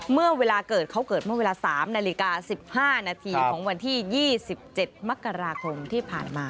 เมื่อเวลาเกิดเขาเกิดเมื่อเวลา๓นาฬิกา๑๕นาทีของวันที่๒๗มกราคมที่ผ่านมา